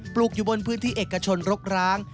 ลูกอยู่บนพื้นที่เอกชนรกร้าง